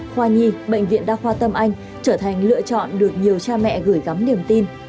khoa nhi bệnh viện đa khoa tâm anh trở thành lựa chọn được nhiều cha mẹ gửi gắm niềm tin